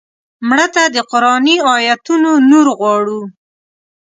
مړه ته د قرآني آیتونو نور غواړو